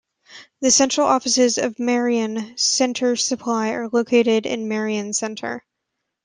The central offices of Marion Center Supply are located in Marion Center.